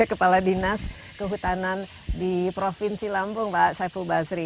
kepala dinas kehutanan di provinsi lampung pak saiful basri